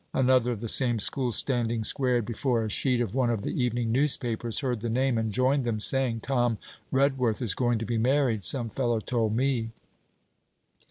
Another, of the same School, standing squared before a sheet of one of the evening newspapers, heard the name and joined them, saying: 'Tom Redworth is going to be married, some fellow told me.'